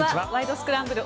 スクランブル」